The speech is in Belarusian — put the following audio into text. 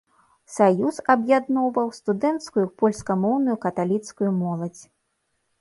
Саюз аб'ядноўваў студэнцкую польскамоўную каталіцкую моладзь.